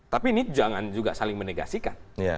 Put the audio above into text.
tapi ini jangan juga saling menegasikan